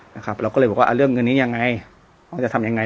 นะครับเราก็เลยบอกว่าอ่าเรื่องเงินนี้ยังไงเขาจะทำยังไง